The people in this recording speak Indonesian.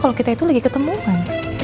kalau kita itu lagi ketemu kan